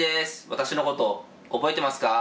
私のこと覚えてますか？